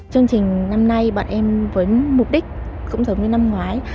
chương trình năm nay bọn em với mục đích cũng giống như năm ngoái